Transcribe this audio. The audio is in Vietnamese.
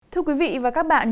thưa quý vị và các bạn